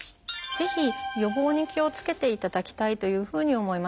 ぜひ予防に気をつけていただきたいというふうに思います。